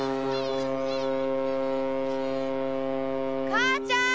かあちゃん！